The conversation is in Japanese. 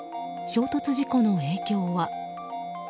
衝突事故の影響は。